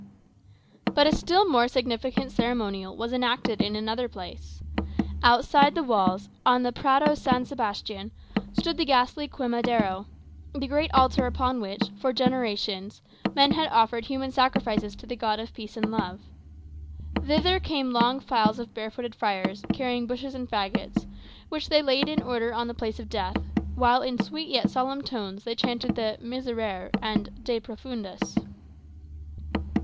But a still more significant ceremonial was enacted in another place. Outside the walls, on the Prado San Sebastian, stood the ghastly Quemadero the great altar upon which, for generations, men had offered human sacrifices to the God of peace and love. Thither came long files of barefooted friars, carrying bushes and faggots, which they laid in order on the place of death, while, in sweet yet solemn tones, they chanted the "Miserere" and "De Profundis."